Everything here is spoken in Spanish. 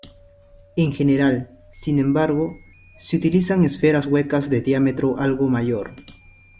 En general, sin embargo, se utilizan esferas huecas de diámetro algo mayor.